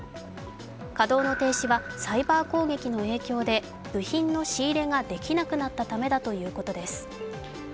稼働の停止はサイバー攻撃の影響で、部品の仕入れができなくなったためだということです。